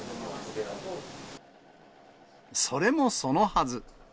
それもそのはず。